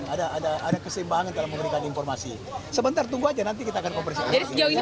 ada yang kesimpangan dalam memberikan informasi sebentar tunggu aja nanti kita akan kompresikan